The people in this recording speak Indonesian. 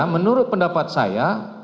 menurut pendapat saya